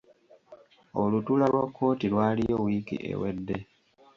Olutuula lwa kkooti lwaliyo wiiki ewedde.